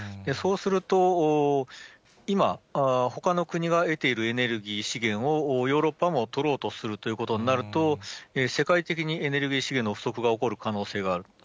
そうすると、今、ほかの国が得ているエネルギー資源をヨーロッパも取ろうとするということになると、世界的にエネルギー資源の不足が起こる可能性がある。